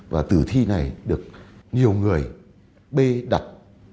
và từ thi này được nhiều người bê đặt